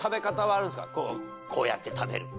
こうやって食べるとか。